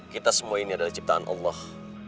kita semua ini adalah ciptaan allah